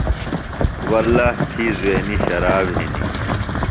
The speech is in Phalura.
واللّٰہ تھی زوینیۡ شراب ہِنیۡ۔